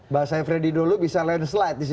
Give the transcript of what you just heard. bahasanya freddy dulu bisa landslide disitu